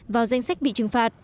vào danh sách bị trừng phạt